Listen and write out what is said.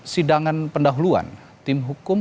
sidangan pendahuluan tim hukum